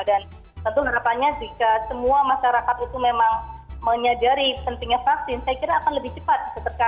dan tentu harapannya jika semua masyarakat itu memang menyadari pentingnya vaksin saya kira akan lebih cepat